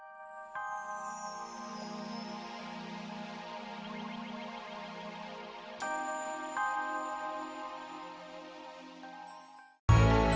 terima kasih pak